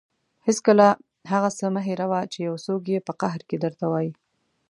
هېڅکله هغه څه مه هېروه چې یو څوک یې په قهر کې درته وايي.